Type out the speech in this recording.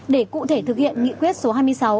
để cụ thể thực hiện nghị quyết số hai mươi sáu